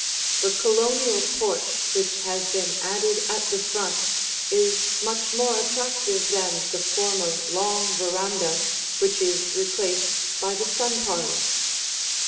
The Colonial porch which has been added at the front is much more attractive than the former long veranda which is replaced by the sun parlor.